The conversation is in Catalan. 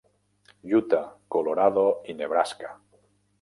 Utah, Colorado i Nebraska.